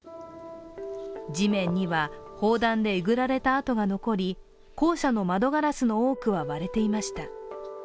地面には、砲弾でえぐられた跡が残り、校舎の窓ガラスの多くは割れていました。